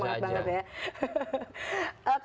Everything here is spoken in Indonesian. jadi nggak gitu harus semangat banget ya